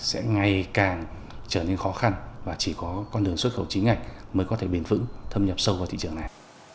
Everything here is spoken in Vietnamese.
sẽ ngày càng trở nên khó khăn và chỉ có con đường xuất khẩu chính ngạch mới có thể bền vững thâm nhập sâu vào thị trường này